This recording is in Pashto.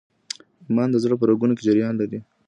ایمان د زړه په رګونو کي جریان لري.